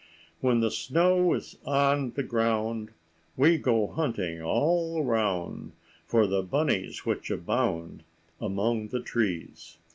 "When the snow is on the ground, We go hunting all around For the bunnies which abound Among the trees.